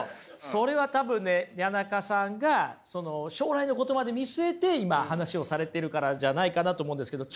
それは多分ね谷中さんが将来のことまで見据えて今話をされてるからじゃないかなと思うんですけど。